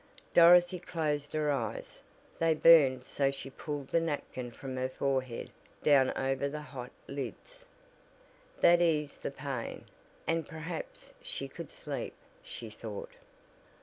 Dorothy closed her eyes. They burned so she pulled the napkin from her forehead down over the hot lids. That eased the pain, and perhaps she could sleep, she thought.